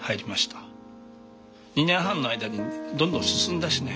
２年半の間にどんどん進んだしね。